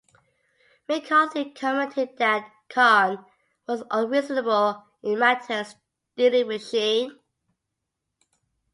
McCarthy commented that Cohn was unreasonable in matters dealing with Schine.